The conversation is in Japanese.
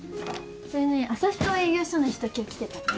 それね旭川営業所の人今日来てたから。